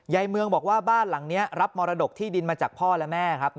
เมืองบอกว่าบ้านหลังนี้รับมรดกที่ดินมาจากพ่อและแม่ครับ